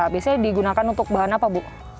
biasanya digunakan untuk bahan apa bu